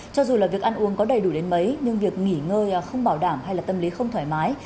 cho dù là việc ăn uống có đầy đủ đến mấy nhưng việc nghỉ ngơi không bảo đảm hay là tâm lý không thoải mái